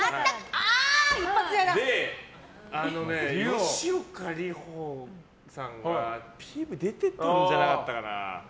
吉岡里帆さんがＰＶ出てたんじゃなかったかな。